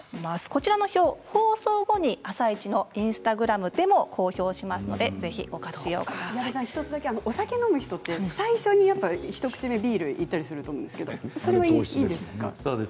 こちらの表放送後に「あさイチ」のインスタグラムでも公表しますのでお酒を飲む人は最初に一口目ビールにいったりすると思うんですけれどもいいんですか。